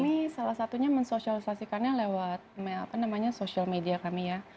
ini salah satunya mensosialisasikannya lewat social media kami ya